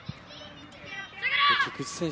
菊池選手